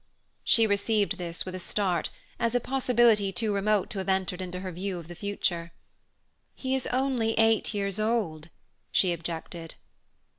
She received this with a start, as a possibility too remote to have entered into her view of the future. "He is only eight years old!" she objected.